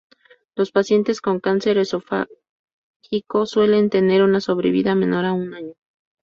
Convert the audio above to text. Los pacientes con cáncer esofágico suelen tener una sobrevida menor a un año.